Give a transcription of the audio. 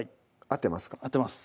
合ってます